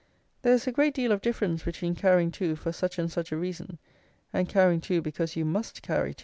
There is a great deal of difference between carrying 2 for such and such a reason, and carrying 2 because you must carry 2.